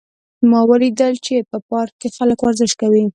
ما ولیدل چې په پارک کې خلک ورزش کوي